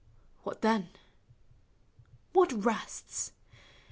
What then? what rests?